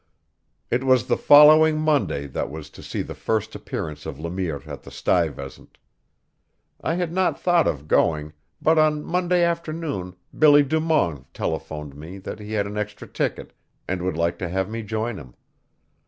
It was the following Monday that was to see the first appearance of Le Mire at the Stuyvesant. I had not thought of going, but on Monday afternoon Billy Du Mont telephoned me that he had an extra ticket and would like to have me join him.